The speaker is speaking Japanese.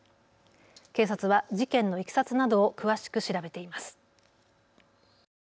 警察は事件のいきさつなどを詳しく調べています。